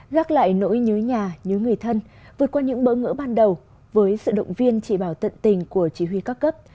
gác lại nỗi nhớ nhà nhớ người thân vượt qua những bỡ ngỡ ban đầu với sự động viên chỉ bảo tận tình của chỉ huy các cấp